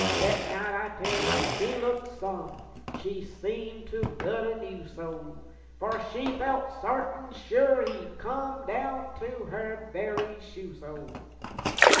Thet night, I tell ye, she looked some! She seemed to've gut a new soul, For she felt sartin sure he'd come, Down to her very shoe sole.